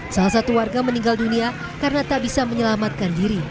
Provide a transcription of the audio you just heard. salah satu warga meninggal dunia karena tak bisa menyelamatkan diri